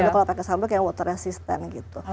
kalau pakai sambal kayak yang water resistant gitu